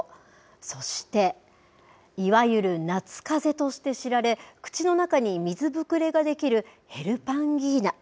そして、いわゆる夏かぜとして知られ、口の中に水ぶくれが出来るヘルパンギーナ。